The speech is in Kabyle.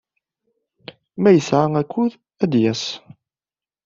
Ma yesɛa akud, ad d-yas.